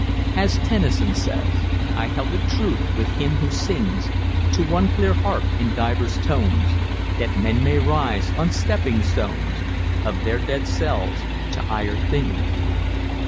As Tennyson says: "I held it truth, with him who sings To one clear harp in divers tones, That men may rise on stepping stones Of their dead selves to higher things."